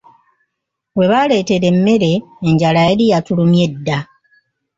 Webaleetera emmere, enjala yali yatulumye dda.